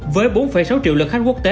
với bốn sáu triệu lượt khách quốc tế